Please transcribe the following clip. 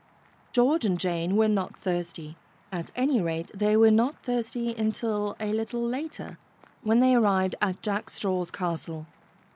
George and Jane were not thirsty. At any rate, they were not thirsty until a little later, when they arrived at Jack Straw's Castle.